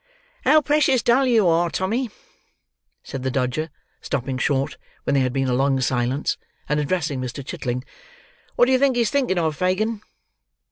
"How precious dull you are, Tommy!" said the Dodger, stopping short when there had been a long silence; and addressing Mr. Chitling. "What do you think he's thinking of, Fagin?"